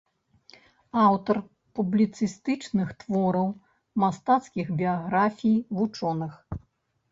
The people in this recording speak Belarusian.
Аўтар публіцыстычных твораў, мастацкіх біяграфій вучоных.